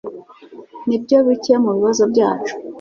Nibyo bike mubibazo byacu